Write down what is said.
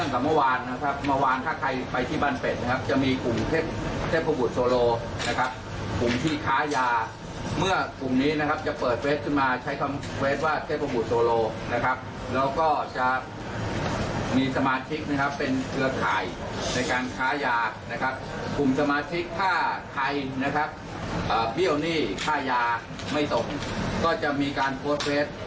ค่ายาไม่ตกก็จะมีการโฟสเฟส